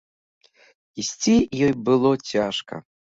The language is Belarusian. Ісці ёй было цяжка.